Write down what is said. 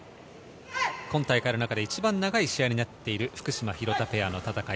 今大会の中で一番長い試合になっている福島・廣田ペアの戦い。